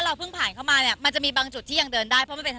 เพิ่งผ่านเข้ามาเนี่ยมันจะมีบางจุดที่ยังเดินได้เพราะมันเป็นทาง